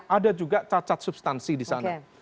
ada juga cacat substansi disana